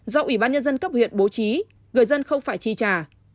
do ủy ban nhân dân cấp huyện bố trí người dân không phải chi trả